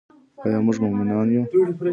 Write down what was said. آیا موږ مومنان یو؟